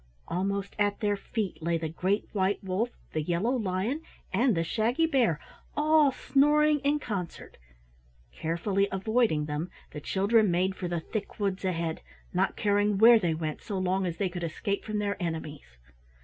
Almost at their feet lay the great white wolf, the yellow lion, and the shaggy bear, all snoring in concert. Carefully avoiding them, the children made for the thick woods ahead, not caring where they went so long as they could escape from their enemies.